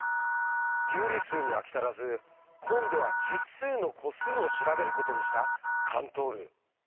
有理数に飽き足らず今度は「実数の個数」を調べることにしたカントール。